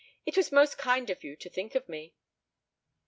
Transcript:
"It was most kind of you to think of me."